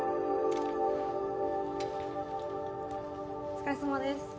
お疲れさまです。